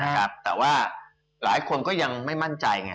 แต่ว่าหลายคนก็ยังไม่มั่นใจไง